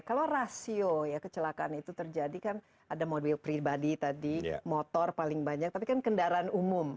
kalau rasio ya kecelakaan itu terjadi kan ada mobil pribadi tadi motor paling banyak tapi kan kendaraan umum